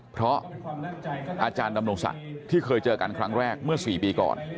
เพราะอาจารย์ดำรงศักดิ์ที่เคยเจอกันครั้งแรกเมื่อ๔ปีก่อน